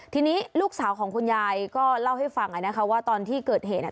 ทีนี้ลูกสาวของคุณยายก็เล่าให้ฟังว่าตอนที่เกิดเหตุ